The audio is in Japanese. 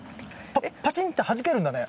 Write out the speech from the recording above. パチンってはじけるんだね。